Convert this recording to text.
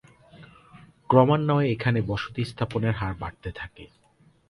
ক্রমান্বয়ে এখানে বসতি স্থাপনের হার বাড়তে থাকে।